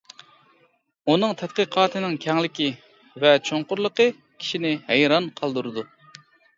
ئۇنىڭ تەتقىقاتىنىڭ كەڭلىكى ۋە چوڭقۇرلۇقى كىشىنى ھەيران قالدۇرىدۇ.